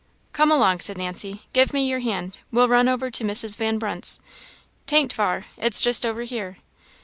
"Come along," said Nancy; "give me your hand; we'll run over to Mrs. Van Brunt's 'tain't far it's just over here.